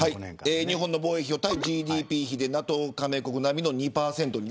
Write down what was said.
日本の防衛費を対ＧＤＰ比でＮＡＴＯ加盟国並みの２％に。